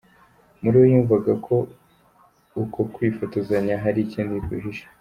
Muri we yumvaga ko uko kwifotozanya hari ikindi guhishe.